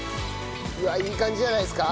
うわっいい感じじゃないですか？